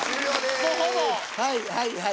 はいはいはい。